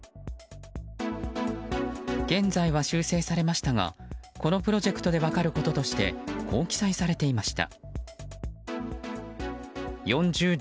現在は修正されましたがこのプロジェクトで分かることとしてこう記載されていました。